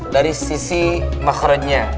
dari sisi makhrannya